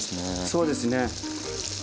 そうですね。